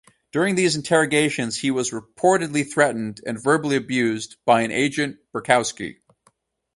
During these interrogations he was reportedly threatened and verbally abused by an Agent Burkowski.